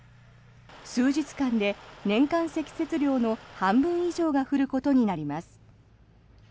数日間で年間積雪量の半分以上が降ることになります。